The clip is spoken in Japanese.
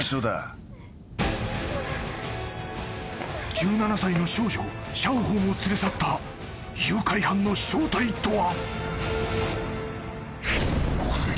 ［１７歳の少女シャオホンを連れ去った誘拐犯の正体とは⁉］